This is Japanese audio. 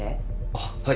あっはい。